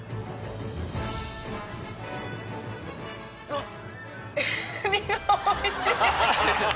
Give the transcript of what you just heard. あっ！